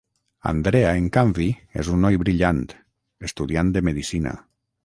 Andrea en canvi és un noi brillant, estudiant de medicina.